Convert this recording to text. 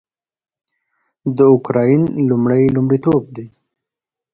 د اوکراین لومړی لومړیتوب دی